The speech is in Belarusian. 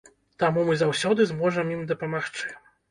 Таму мы заўсёды зможам ім дапамагчы.